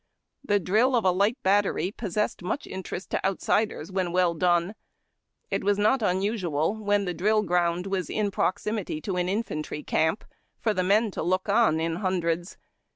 The drill of a light bat tery possessed much interest to outsiders, when well done. It was not unusual, when the drill ground was in proximity to an infantry camp, for the men to look on by hundreds.